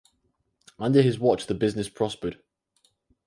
Under his watch the business prospered.